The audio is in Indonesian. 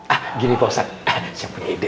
ah gini pausat siapa yang ide